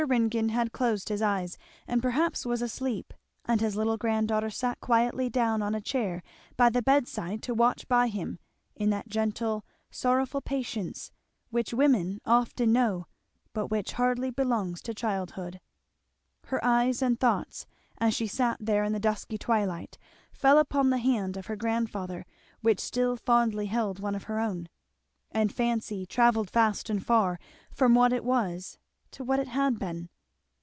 Ringgan had closed his eyes, and perhaps was asleep, and his little granddaughter sat quietly down on a chair by the bedside to watch by him, in that gentle sorrowful patience which women often know but which hardly belongs to childhood. Her eye and thoughts, as she sat there in the dusky twilight, fell upon the hand of her grandfather which still fondly held one of her own; and fancy travelled fast and far, from what it was to what it had been.